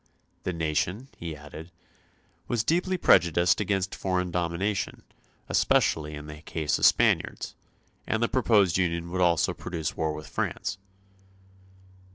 The nation, he added, was deeply prejudiced against foreign domination, especially in the case of Spaniards, and the proposed union would also produce war with France.